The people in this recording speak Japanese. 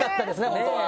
本当は。